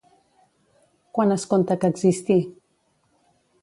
Quan es conta que existí?